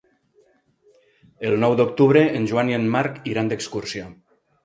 El nou d'octubre en Joan i en Marc iran d'excursió.